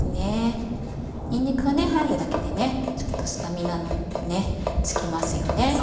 にんにくは入るだけでちょっとスタミナつきますよね。